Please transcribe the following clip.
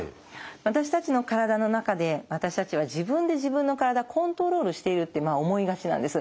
私たちの体の中で私たちは自分で自分の体コントロールしているってまあ思いがちなんです。